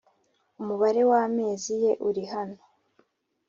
Umubare w amezi ye uri hano